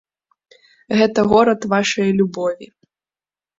Гэта горад вашай любові.